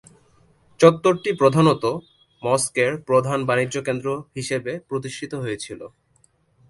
চত্বরটি প্রধানতঃ মস্কোর প্রধান বাণিজ্যকেন্দ্র হিসেবে প্রতিষ্ঠিত হয়েছিল।